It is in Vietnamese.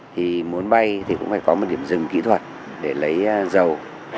thì muốn bay thì cũng phải có một điểm dừng kỹ thuật để lấy dầu